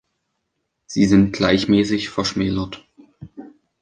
Sie sind gleichmäßig verschmälert.